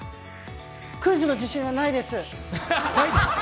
クイズの自信はないです。